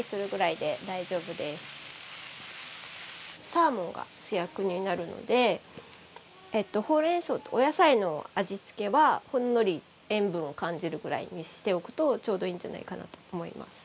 サーモンが主役になるのでほうれんそうとお野菜の味付けはほんのり塩分を感じるぐらいにしておくとちょうどいいんじゃないかなと思います。